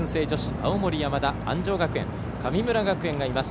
青森山田、安城学園神村学園がいます。